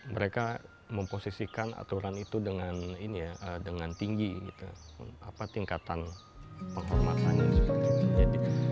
mereka memposisikan aturan itu dengan tinggi tingkatan penghormatannya